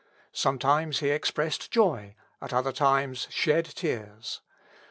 Sometimes he expressed joy, at other times shed tears.